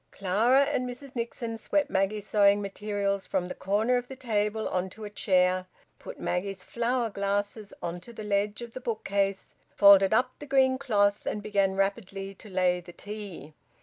Clara and Mrs Nixon swept Maggie's sewing materials from the corner of the table on to a chair, put Maggie's flower glasses on to the ledge of the bookcase, folded up the green cloth, and began rapidly to lay the tea.